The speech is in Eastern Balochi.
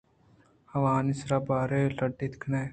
آوانی سرءَ بارے لڈاِت کنئے